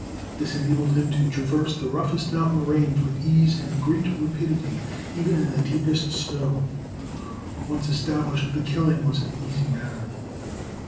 This enabled him to traverse the roughest mountain range with ease and great rapidity, even in the deepest snow. Once established, the killing was an easy matter.